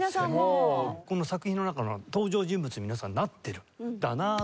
この作品の中の登場人物に皆さんなってるんだなと。